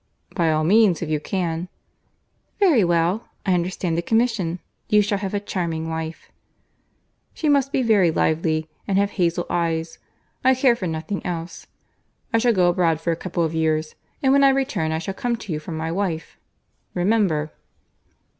"By all means, if you can." "Very well. I undertake the commission. You shall have a charming wife." "She must be very lively, and have hazle eyes. I care for nothing else. I shall go abroad for a couple of years—and when I return, I shall come to you for my wife. Remember."